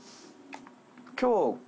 今日。